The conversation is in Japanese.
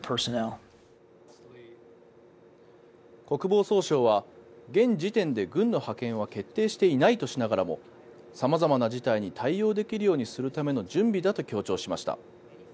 国防総省は現時点で軍の派遣は決定していないとしながらも様々な事態に対応できるようにするための準備だと強調しました。